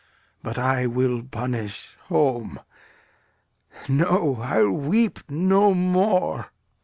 But I will punish home! No, I will weep no more.